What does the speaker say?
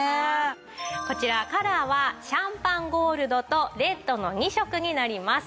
こちらカラーはシャンパンゴールドとレッドの２色になります。